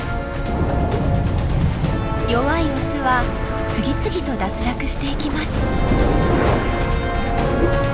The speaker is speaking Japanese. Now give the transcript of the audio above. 弱いオスは次々と脱落していきます。